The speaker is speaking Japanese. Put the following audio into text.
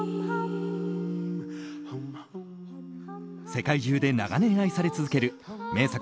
世界中で長年愛され続ける名作